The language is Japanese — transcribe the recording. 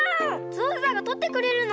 ぞうさんがとってくれるの？